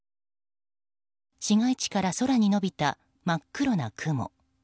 市街地から空に伸びた真っ黒な雲。